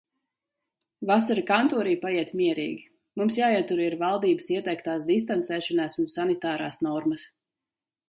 Vasara kantorī paiet mierīgi. Mums jāietur ir valdības ieteiktās distancēšanās un sanitārās normas.